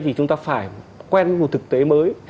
thì chúng ta phải quen một thực tế mới